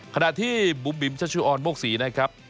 ขณะที่บุบิมชชวอนโมกศีนะครับ